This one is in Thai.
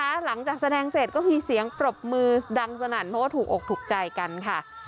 หลังจากแสดงเสร็จก็มีเสียงปรบมือดังสนั่นเพราะว่าถูกอกถูกใจกันค่ะ